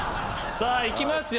さあいきますよ。